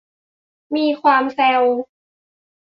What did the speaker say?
มีความแซว